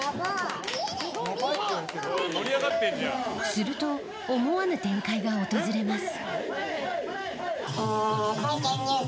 すると、思わぬ展開が訪れます。